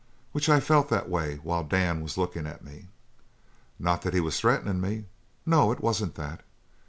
Which I felt that way while Dan was lookin' at me. Not that he was threatenin' me. No, it wasn't that.